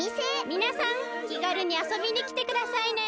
みなさんきがるにあそびにきてくださいね！